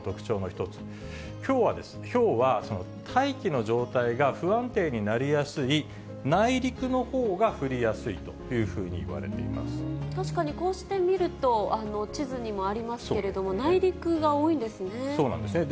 ひょうは大気の状態が不安定になりやすい内陸のほうが降りやすい確かに、こうして見ると、地図にもありますけれども、内陸が多いんですね。